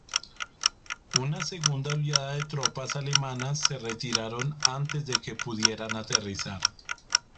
Una segunda oleada de tropas alemanas se retiraron antes de que pudieran aterrizar.